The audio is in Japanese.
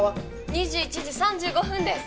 ２１時３５分です